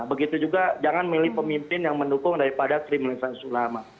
begitu juga jangan milih pemimpin yang mendukung daripada kriminalisasi ulama